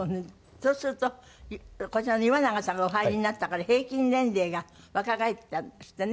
そうするとこちらの岩永さんがお入りになったから平均年齢が若返ったんですってね。